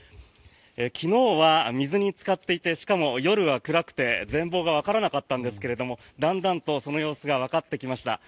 昨日は水につかっていてしかも、夜は暗くて全ぼうがわからなかったんですがだんだんとその様子がわかってきました。